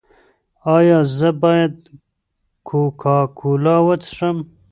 ایا زه باید کوکا کولا وڅښم؟